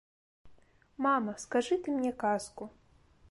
Мама, скажы ты мне казку.